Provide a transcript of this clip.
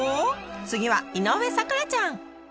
次は井上咲楽ちゃん！